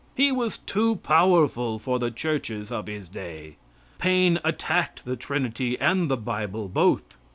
He was too powerful for the churches of his day. Paine attacked the Trinity and the bible both.